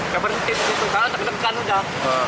dia berdiri dia berdiri sangat tergedekan udah